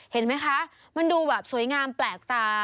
เห็นไหมคะมันดูแบบสวยงามแปลกตา